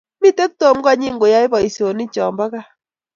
Mitei Tom konyi koyoei boisionikcho chebo gaa